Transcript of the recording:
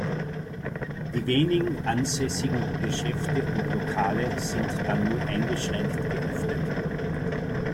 Die wenigen ansässigen Geschäfte und Lokale sind dann nur eingeschränkt geöffnet.